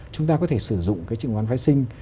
chúng ta có thể sử dụng cái chứng khoán phái sinh